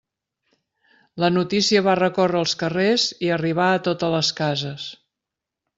La notícia va recórrer els carrers i arribà a totes les cases.